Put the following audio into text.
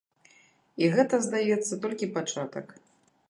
І гэта, здаецца, толькі пачатак.